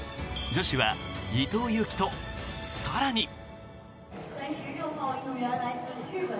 椰女子は伊藤有希と更に。